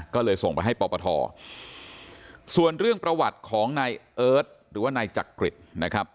ก็เลยส่งไปให้ปปทส่วนเรื่องประวัติของนายเอิร์ทหรือว่านายจักริตนะครับ